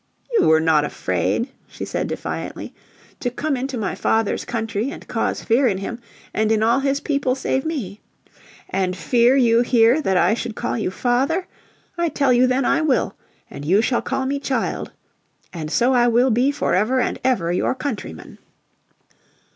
"You were not afraid," she said defiantly, "to come into my father's country, and cause fear in him, and in all his people save me. And fear you here that I should call you father? I tell you then I will. And you shall call me child. And so I will be forever and ever your countryman."